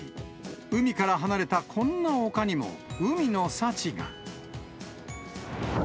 海から離れたこんな丘にも海の幸が。